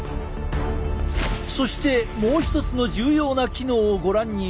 そしてもう一つの重要な機能をご覧に入れよう。